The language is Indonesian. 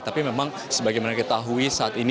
tapi memang sebagaimana diketahui saat ini